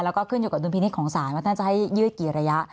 แล้วก็ขึ้นอยู่กับดุลพินิษฐ์ของศาลว่าท่านจะให้ยืดกี่ระยะ